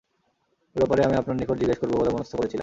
এ ব্যাপারে আমি আপনার নিকট জিজ্ঞেস করব বলে মনস্থ করেছিলাম।